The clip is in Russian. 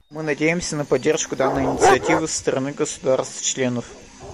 Мы надеемся на поддержку данной инициативы со стороны государств-членов.